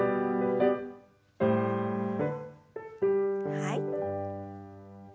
はい。